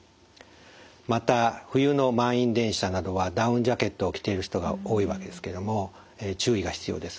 また冬の満員電車などはダウンジャケットを着ている人が多いわけですけども注意が必要です。